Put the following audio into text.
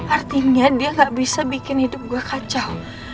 artinya dia gak bisa bikin hidup gue kacau